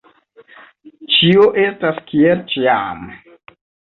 Ĉio estas kiel ĉiam.